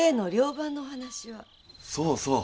そうそう。